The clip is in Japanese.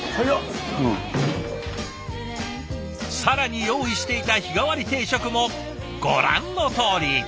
更に用意していた日替わり定食もご覧のとおり。